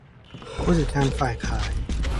ผู้จัดการฝ่ายขาย